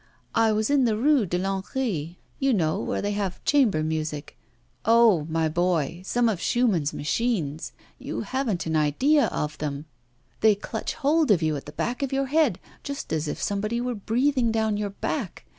'I was in the Rue de Lancry you know, where they have chamber music. Oh! my boy, some of Schumann's machines! You haven't an idea of them! They clutch hold of you at the back of your head just as if somebody were breathing down your back.